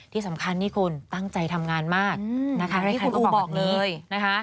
ที่สำคัญที่คุณตั้งใจทำงานมากให้ใครก็บอกแบบนี้